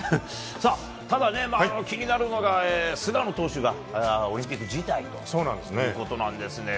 ただ、気になるのが菅野投手がオリンピック辞退ということですね。